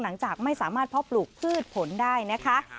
หลังจากไม่สามารถเพาะปลูกพืชผลได้นะคะ